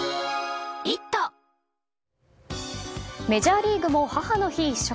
メジャーリーグも母の日一色。